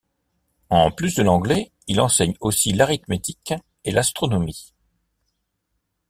En plus de l'anglais, il enseigne aussi l'arithmétique et l'astronomie.